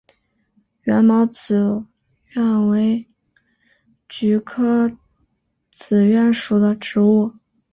缘毛紫菀为菊科紫菀属的植物。